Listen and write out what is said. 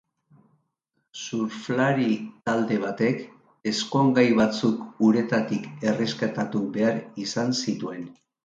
Surflari talde batek ezkongai batzuk uretatik erreskatatu behar izan zituen.